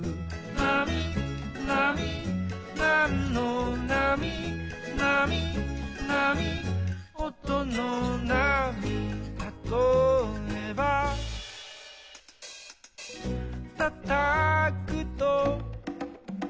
「なみなみなんのなみ」「なみなみおとのなみ」「たとえば」「たたくと」